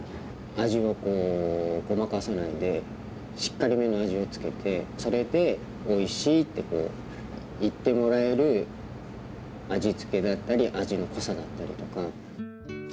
味をごまかさないでしっかりめの味をつけてそれでおいしいって言ってもらえる味付けだったり味の濃さだったりとか。